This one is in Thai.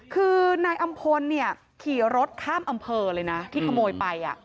คือนายอำพลขี่รถข้ามอำเภอเลยนะที่ขโมยไป